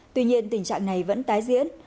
tuy nhiên tình trạng này vẫn tái diễn